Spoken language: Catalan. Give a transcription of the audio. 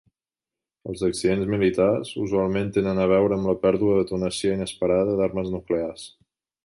Els accidents militars usualment tenen a veure amb la pèrdua o detonació inesperada d'armes nuclears.